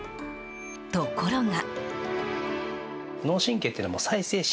ところが。